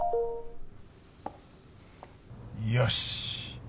よし！